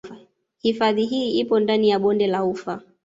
Hifadhi hii ipo ndani ya bonde la ufa